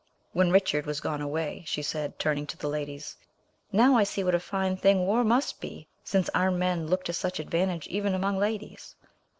When Richard was gone away, she said, turning to the ladies, "Now I see what a fine thing war must be, since armed men look to such advantage even among ladies."